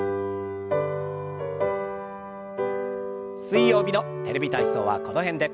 水曜日の「テレビ体操」はこの辺で。